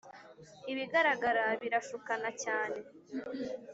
ibigaragara birashukana cyane